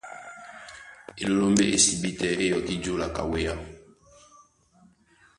Elélómbé é sibí tɛ́ é yɔkí jǒla ka wéá.